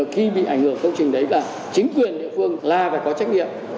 khi bị ảnh hưởng công trình đấy là chính quyền địa phương là phải có trách nhiệm